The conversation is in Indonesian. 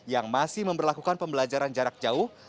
yang masih memperlakukan pembelajaran jarak jauh